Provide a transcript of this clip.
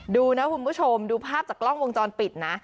ดูนะคุณผู้ชมดูภาพจากกล้องวงจรปิดนะ